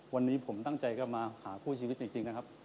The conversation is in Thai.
วันนี้ผมตั้งใจก็มาหาคู่ชีวิตจริงนะครับ